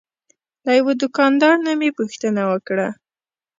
له یوه دوکاندار نه مې پوښتنه وکړه.